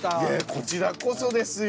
こちらこそですよ。